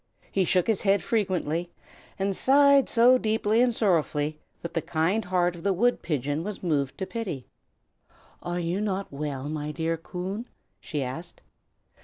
He shook his head frequently, and sighed so deeply and sorrowfully that the kind heart of the wood pigeon was moved to pity. "Are you not well, my dear Coon?" she asked.